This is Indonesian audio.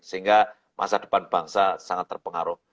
sehingga masa depan bangsa sangat terpengaruh